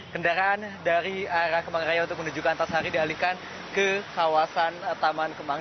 kendaraan dari arah kemang raya untuk menuju ke antasari dialihkan ke kawasan taman kemang